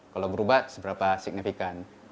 kalau berubah seberapa signifikan